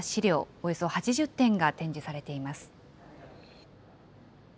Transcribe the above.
およそ８０点が展示されています。